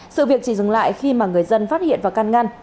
sự việc chỉ dừng lại khi người dân phát hiện vào căn ngăn